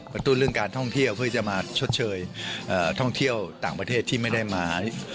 ตุ้นเรื่องการท่องเที่ยวเพื่อจะมาชดเชยท่องเที่ยวต่างประเทศที่ไม่ได้มา